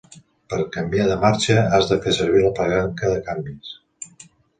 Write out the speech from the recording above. Per canviar de marxa, has de fer servir la palanca de canvis